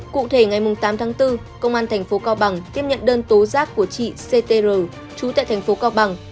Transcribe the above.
cụ thể ngày tám tháng bốn công an tp cao bằng tiếp nhận đơn tố giác của chị ctr trú tại tp cao bằng